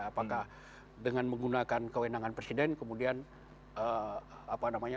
apakah dengan menggunakan kewenangan presiden kemudian apa namanya